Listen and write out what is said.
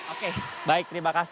oke baik terima kasih